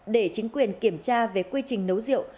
để chính quyền kiểm tra về quy trình nấu rượu